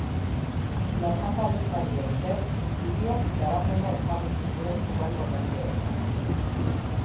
Merkataritzari esker hiriak garapena ezagutu zuen hurrengo mendeetan.